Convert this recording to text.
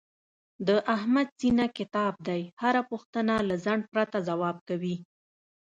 د احمد سینه کتاب دی، هره پوښتنه له ځنډ پرته ځواب کوي.